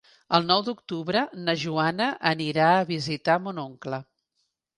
El nou d'octubre na Joana anirà a visitar mon oncle.